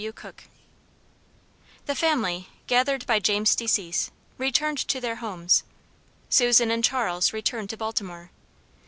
G. W. COOK. THE family, gathered by James' decease, returned to their homes. Susan and Charles returned to Baltimore.